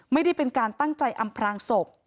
ไม่ได้เป็นการตั้งใจอำพรางศพ